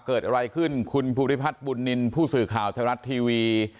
เกิดอะไรขึ้นคุณภูริพัฒน์บุญนินทร์ผู้สื่อข่าวไทยรัฐทีวี